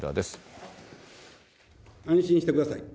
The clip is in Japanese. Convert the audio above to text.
安心してください。